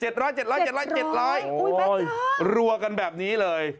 ๗๐๐บาทโอ้โฮพระเจ้ารัวกันแบบนี้เลย